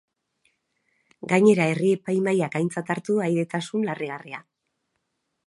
Gainera, herri epaimahaiak aintzat hartu du ahaidetasun larrigarria.